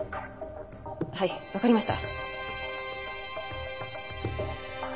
はいわかりました。